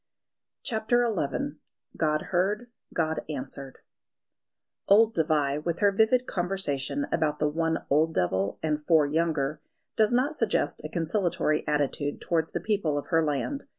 CHAPTER XI God Heard: God Answered OLD Dévai, with her vivid conversation about the one old devil and four younger, does not suggest a conciliatory attitude towards the people of her land.